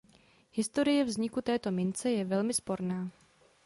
Historie vzniku této mince je velmi sporná.